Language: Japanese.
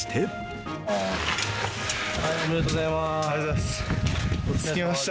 おめでとうございます。